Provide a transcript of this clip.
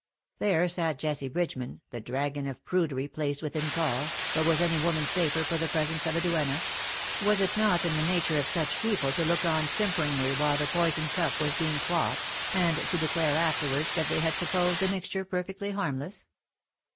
There sat Jessie Bridgeman, the dragon of pruderj^ placed within call, but was any woman safer for the presence of a duenna ? was it riot in the nature of such people to look on simperingly while the poison cup was being quaffed, and to declare afterwards that they had supposed the mixture perfectly harmless?